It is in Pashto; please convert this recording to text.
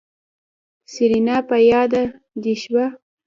سېرېنا په ياده دې شوه.